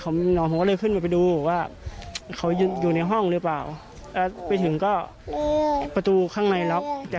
ของนอนเลยขึ้นไปดูว่าเขาอยู่ในห้องหรือเปล่าไปถึงก็ประตูข้างในรับแต่